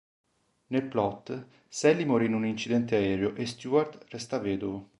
Nel plot, Sally muore in un incidente aereo e Stewart resta vedovo.